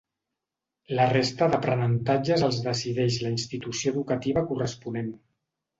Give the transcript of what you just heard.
La resta d'aprenentatges els decideix la institució educativa corresponent.